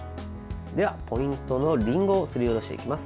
では、ポイントのりんごをすりおろしていきます。